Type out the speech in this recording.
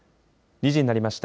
２時になりました。